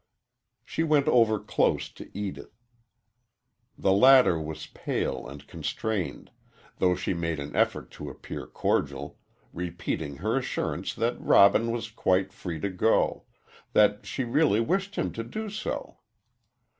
She went over close to Edith. The latter was pale and constrained, though she made an effort to appear cordial, repeating her assurance that Robin was quite free to go that she really wished him to do so.